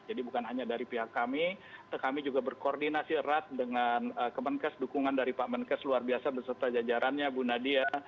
jadi bukan hanya dari pihak kami kami juga berkoordinasi erat dengan kemenkes dukungan dari pak menkes luar biasa berserta jajarannya bu nadia